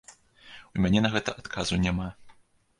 У мяне на гэта адказу няма.